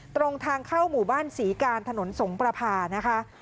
ตรงทางเข้าหมู่บ้านศรีการถนนสงประพานะคะ